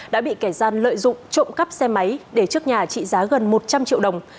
đã bị kẻ gian lợi dụng trộm cắp xe máy để trước nhà trị giá gần một trăm linh triệu đồng